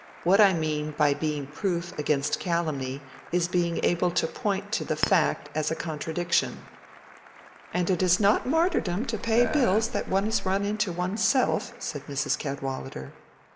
"What I mean by being proof against calumny is being able to point to the fact as a contradiction." "And it is not martyrdom to pay bills that one has run into one's self," said Mrs. Cadwallader.